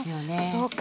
そうか。